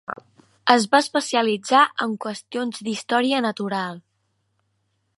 Es va especialitzar en qüestions d'història natural.